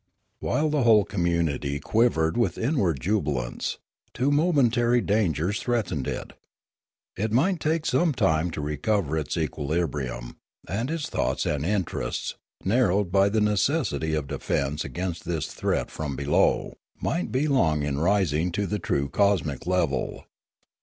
While the whole community quivered with inward jubilance, two momentary dangers threatened it: it might take some time to recover its equilibrium; and its thoughts and interests, narrowed by the necessity of defence against this threat from below, might be long in rising to the true cosmic level.